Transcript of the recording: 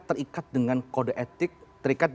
terikat dengan kode etik terikat